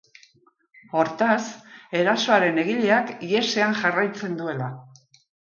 Hortaz, erasoaren egileak ihesean jarraitzen duela.